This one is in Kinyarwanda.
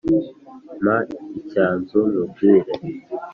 mpa icyanzu nkubwire